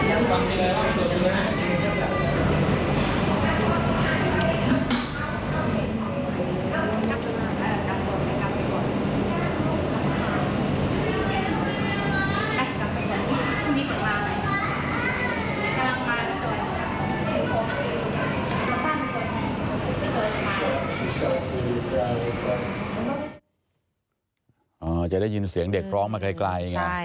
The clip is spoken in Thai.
อ่าจะได้ยินเสียงเด็กร้องมาไกลอย่างนั้น